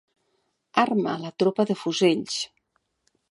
Armar la tropa de fusells.